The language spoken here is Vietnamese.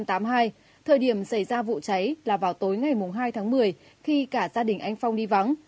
thời điểm xảy ra vụ cháy là vào tối ngày hai tháng một mươi khi cả gia đình anh phong đi vắng